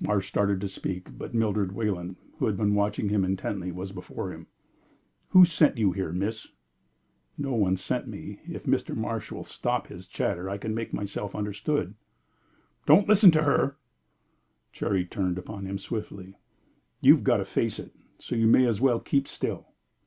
Marsh started to speak, but Mildred Wayland, who had been watching him intently, was before him. "Who sent you here, Miss?" "No one sent me. If Mr. Marsh will stop his chatter, I can make myself understood." "Don't listen to her " Cherry turned upon him swiftly. "You've got to face it, so you may as well keep still."